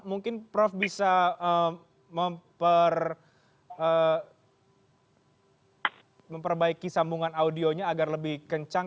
mungkin prof bisa memperbaiki sambungan audionya agar lebih kencang